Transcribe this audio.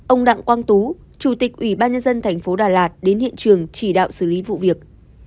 ông đặng quang tú chủ tịch ủy ban nhân dân thành phố đà lạt đến hiện trường chỉ đạo xử lý vụ việc